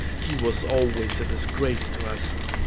He was always a disgrace to us.